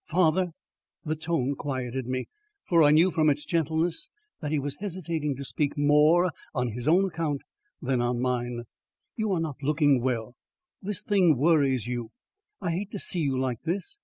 "Father," the tone quieted me, for I knew from its gentleness that he was hesitating to speak more on his own account than on mine "you are not looking well; this thing worries you. I hate to see you like this.